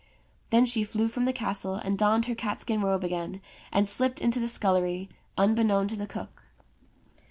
Then she flew from the castle and donned her catskin robe again, and slipped into the scullery, unbeknown to the cook.